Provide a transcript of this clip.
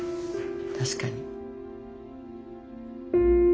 確かに。